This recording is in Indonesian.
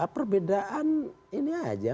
perbedaan ini saja